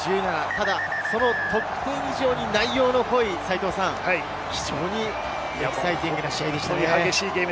ただその得点以上に内容の濃い非常にエキサイティングな試合でした。